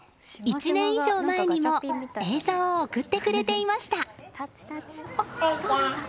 １年以上前にも映像を送ってくれていました。